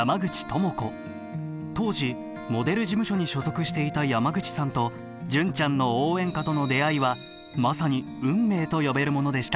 当時モデル事務所に所属していた山口さんと「純ちゃんの応援歌」との出会いはまさに運命と呼べるものでした。